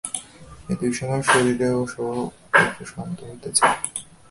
এই দুই সময়ে শরীরও স্বভাবত শান্ত হইতে চায়।